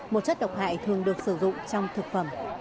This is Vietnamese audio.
một chất độc hại thường được sử dụng trong thực phẩm